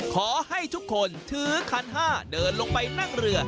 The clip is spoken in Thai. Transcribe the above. ขอให้ทุกคนถือขันห้าเดินลงไปนั่งเรือ